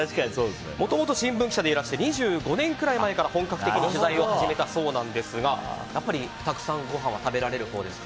もともと新聞記者でいらして２５年くらい前から本格的に取材を始めたそうなんですがやっぱり、たくさんごはんは食べられるほうですか。